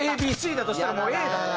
ＡＢＣだとしたらもうＡだと。